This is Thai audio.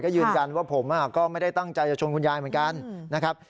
ยืนยันว่าผมก็ไม่ได้ตั้งใจจะชนคุณยายเหมือนกันนะครับ